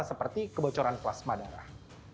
seperti kebocoran plasma darah